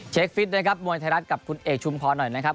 ฟิตนะครับมวยไทยรัฐกับคุณเอกชุมพรหน่อยนะครับ